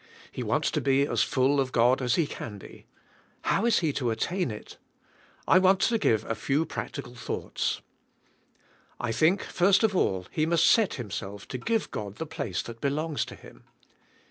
He wants to be as full of God as he can be. How is he to attain it? I want to give a few prac tical thoughts. I think, first of all, he must set himself to give God the place that belongs to Him.